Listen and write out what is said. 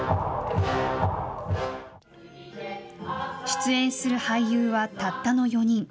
出演する俳優はたったの４人。